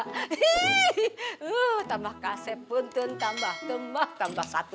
hihihi tambah kaset pun tante tambah tambah tambah satu